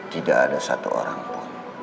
tidak ada satu orang pun